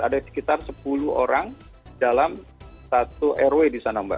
ada sekitar sepuluh orang dalam satu rw di sana mbak